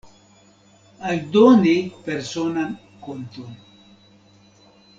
Aldoni personan konton.